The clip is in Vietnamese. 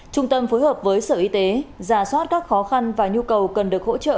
trung tâm phối hợp với sở y tế giả soát các khó khăn và nhu cầu cần được hỗ trợ